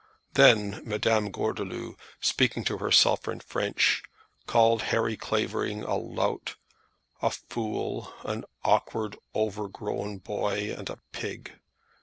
Then Madame Gordeloup, speaking to herself in French, called Harry Clavering a lout, a fool, an awkward overgrown boy, and a pig.